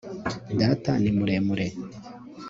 data ni muremure